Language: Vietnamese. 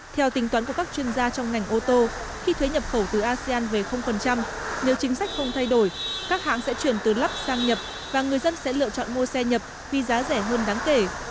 theo tính toán của các chuyên gia trong ngành ô tô khi thuế nhập khẩu từ asean về nếu chính sách không thay đổi các hãng sẽ chuyển từ lắp sang nhập và người dân sẽ lựa chọn mua xe nhập vì giá rẻ hơn đáng kể